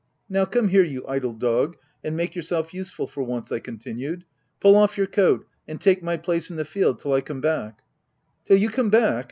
" Now come here you idle dog, and make your self useful for once," I continued— i( Pull off your coat, and take my place in the field till I come back/' " Till you come back